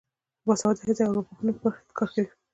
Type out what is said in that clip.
باسواده ښځې د ارواپوهنې په برخه کې کار کوي.